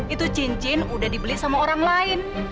itu cincin udah dibeli sama orang lain